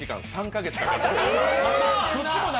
３か月かかってる。